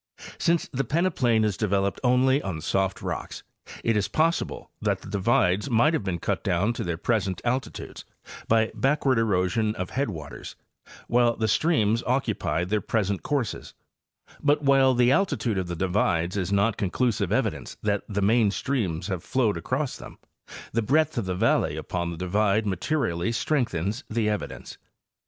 Since the peneplain is developed only on soft rocks, it is possible that the divides might have been cut down to their present altitudes by backward erosion of headwaters while the streams occupied their present courses; but while the altitude of the divides is not conclusive evidence that the main streams have flowed across them, the breadth of the valley upon the divide materially strengthens the evidence.